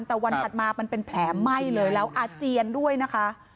แต่วันถัดมามันเป็นแผลไหม้เลยแล้วอาเจียนด้วยนะคะ